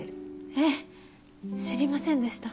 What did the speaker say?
えっ知りませんでした。